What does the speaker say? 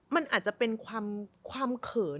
มันอาจจะเป็นความเขิน